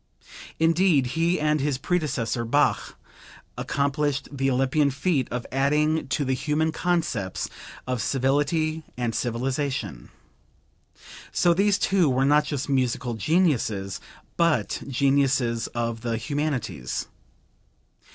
Indeed, he and his predecessor Bach accomplished the Olympian feat of adding to the human concepts of civility and civilization. So these two were not just musical geniuses, but geniuses of the humanities.